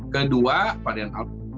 kedua varian alpha